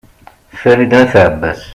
farid n at abbas